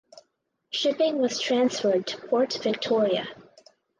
Shipping was transferred to Port Victoria.